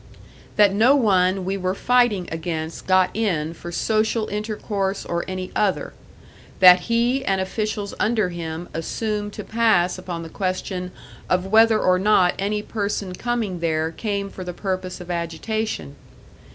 That 'no one we were fighting against got in for social intercourse or any other'; that he and officials under him assumed to pass upon the question of whether or not any person coming there came for the purpose of agitation.